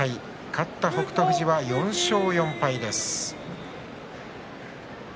勝った北勝富士は４勝４敗です。